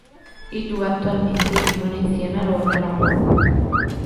I due attualmente vivono insieme a Londra.